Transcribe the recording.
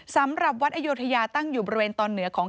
สำหรับวัดอโยธยาตั้งอยู่บริเวณตอนเหนือของ